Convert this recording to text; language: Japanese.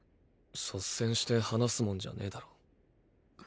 率先して話すもんじゃねえだろ。